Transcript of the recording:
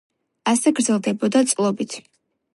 ასე გრძელდებოდა წლობით.